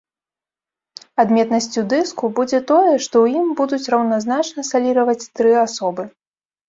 Адметнасцю дыску будзе тое, што ў ім будуць раўназначна саліраваць тры асобы.